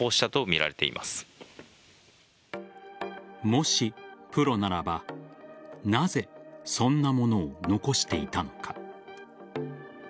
もしプロならばなぜそんなものを残していたのか。